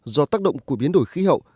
do tác động của biến đổi khí hậu